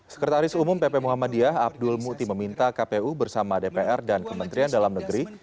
sekretaris umum pp muhammadiyah abdul muti meminta kpu bersama dpr dan kementerian dalam negeri